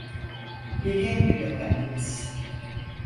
Dediğim gibi efendimiz…